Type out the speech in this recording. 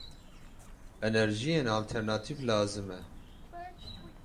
Enerjiyên alternatîv lazim e.